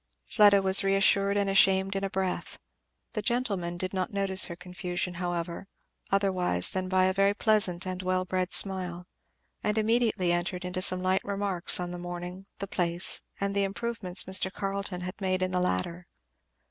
Fleda was reassured and ashamed in a breath. The gentleman did not notice her confusion, however, otherwise than by a very pleasant and well bred smile, and immediately entered into some light remarks on the morning, the place, and the improvements Mr. Carleton had made in the latter.